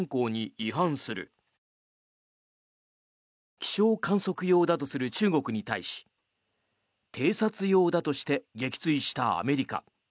気象観測用だとする中国に対し偵察用だとして撃墜したアメリカ。